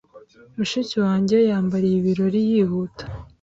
Mushiki wanjye yambariye ibirori yihuta.